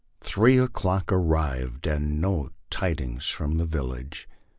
Three o'clock arrived, and no tidings from the village.